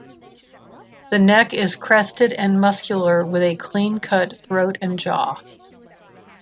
The neck is crested and muscular with a clean cut throat and jaw.